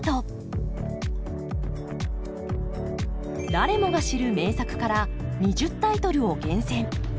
誰もが知る名作から２０タイトルを厳選。